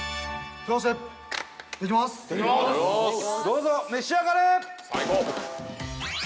どうぞ！